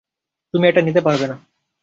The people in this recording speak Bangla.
তুমি এটা নিতে পারবে না!